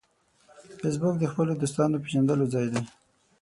فېسبوک د خپلو دوستانو پېژندلو ځای دی